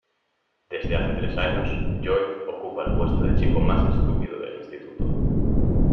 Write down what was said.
Desde hace tres años, Lloyd ocupa el puesto de chico más estúpido del instituto.